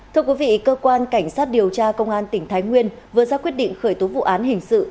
thưa quý vị cơ quan cảnh sát điều tra công an tỉnh thái nguyên vừa ra quyết định khởi tố vụ án hình sự